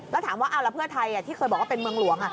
แล้วถามว่าเอาแล้วเพื่อไทยที่เคยบอกว่าเป็นเมืองหลวง